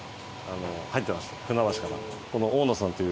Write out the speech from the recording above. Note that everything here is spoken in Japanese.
入ってます船橋から。